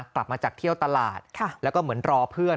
กลับมาจากเที่ยวตลาดแล้วก็เหมือนรอเพื่อน